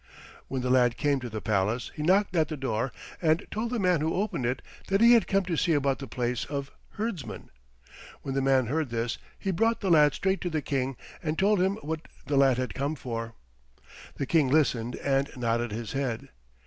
When the lad came to the palace, he knocked at the door and told the man who opened it that he had come to see about the place of herdsman. When the man heard this he brought the lad straight to the King, and told him what the lad had come for. The King listened and nodded his head.